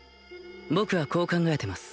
僕はこう考えてます